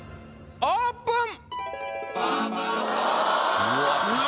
オープン！